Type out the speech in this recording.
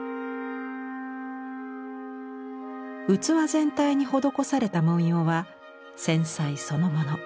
器全体に施された文様は繊細そのもの。